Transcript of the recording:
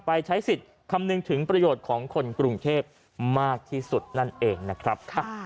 ใช้สิทธิ์คำนึงถึงประโยชน์ของคนกรุงเทพมากที่สุดนั่นเองนะครับ